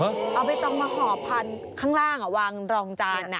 เอาใบตองมาห่อพันธุ์ข้างล่างวางรองจาน